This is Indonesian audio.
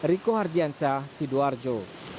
riko hardiansyah sidoarjo